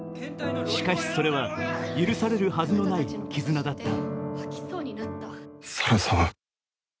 しかし、それは許されるはずのない絆だった。